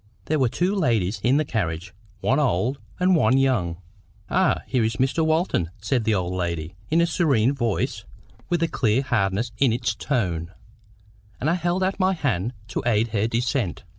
There were two ladies in the carriage, one old and one young. "Ah, here is Mr. Walton!" said the old lady, in a serene voice, with a clear hardness in its tone; and I held out my hand to aid her descent.